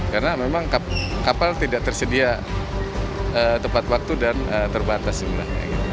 karena memang kapal tidak tersedia tepat waktu dan terbatas juga